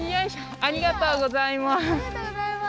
ありがとうございます。